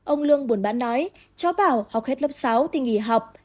ông lương buồn bã nói cháu bảo học hết lớp sáu thì nghỉ học